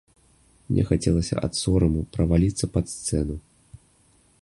Мне хацелася ад сораму праваліцца пад сцэну.